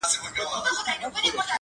موږ څو ځلي د لستوڼي مار چیچلي -